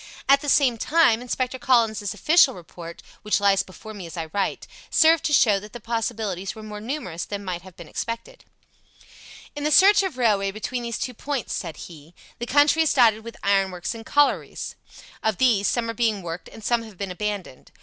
At the same time, Inspector Collins's official report (which lies before me as I write) served to show that the possibilities were more numerous than might have been expected. "In the stretch of railway between these two points," said he, "the country is dotted with ironworks and collieries. Of these, some are being worked and some have been abandoned.